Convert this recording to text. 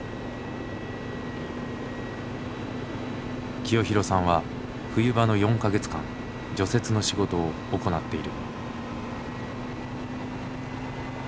清弘さんは冬場の４か月間除雪の仕事を行っている。